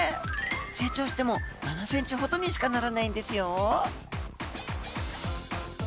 成長しても７ｃｍほどにしかならないんですよ。